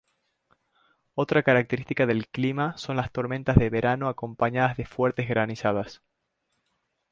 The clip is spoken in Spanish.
Otra característica del clima son las tormentas de verano acompañadas de fuertes granizadas.